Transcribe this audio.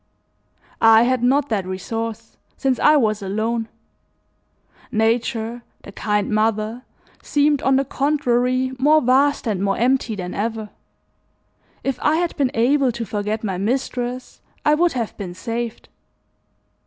I had not that resource since I was alone: nature, the kind mother, seemed, on the contrary, more vast and more empty than ever. If I had been able to forget my mistress I would have been saved.